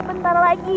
tengok siapa ini